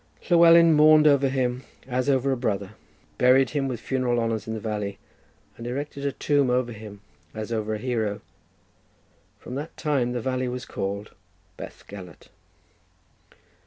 Llywelyn mourned over him as over a brother, buried him with funeral honours in the valley, and erected a tomb over him as over a hero. From that time the valley was called Bethgelert.